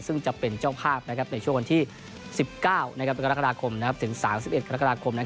ซึ่งจะเป็นเจ้าภาพในช่วงวันที่๑๙๓๑กรกฎาคม